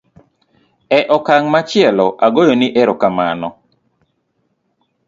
e okang' machielo agoyo ni erokamano